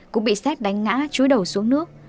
cũng bị xét đánh ngã chúi đầu xuống nước